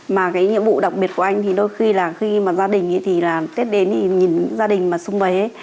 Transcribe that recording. mà cái nhiệm vụ đặc biệt của anh thì đôi khi là khi mà gia đình thì là tết đến thì nhìn gia đình mà sung bầy ấy